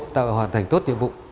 tạo hoàn thành tốt nhiệm vụ